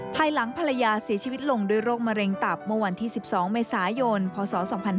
ภายหลังภรรยาเสียชีวิตลงด้วยโรคมะเร็งตับเมื่อวันที่๑๒เมษายนพศ๒๕๕๙